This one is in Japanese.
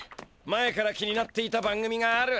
前から気になっていた番組がある。